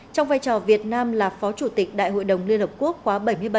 trong vai trò việt nam là phó chủ tịch đại hội đồng liên hợp quốc khóa bảy mươi bảy